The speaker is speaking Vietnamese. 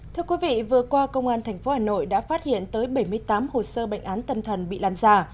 thưa quý vị vừa qua công an tp hà nội đã phát hiện tới bảy mươi tám hồ sơ bệnh án tâm thần bị làm giả